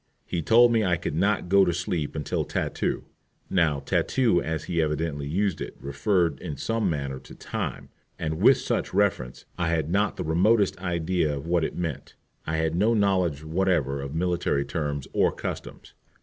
He told me I could not go to sleep till "tattoo." Now tattoo, as he evidently used it, referred in some manner to time, and with such reference I had not the remotest idea of what it meant. I had no knowledge whatever of military terms or customs.